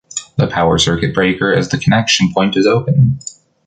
The power circuit breaker as the connection point is open.